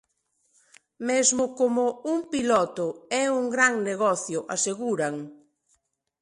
"Mesmo como un piloto, é un gran negocio", aseguran.